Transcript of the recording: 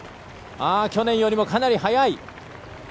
去年よりも、かなり速い。